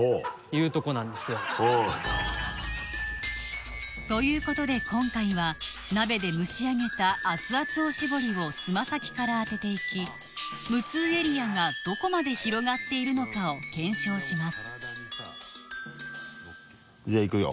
いうとこなんですよ。ということで今回は鍋で蒸し上げた熱々おしぼりをつま先から当てていき無痛エリアがどこまで広がっているのかを検証しますじゃあいくよ。